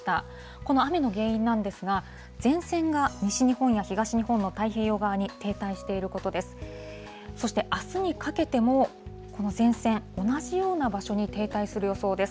この雨の原因なんですが、前線が西日本や東日本の太平洋側に停滞していることです。